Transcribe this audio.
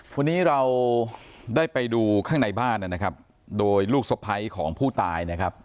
วันนี้เราได้ไปดูข้างในบ้านนะครับโดยลูกสะพ้ายของผู้ตายนะครับ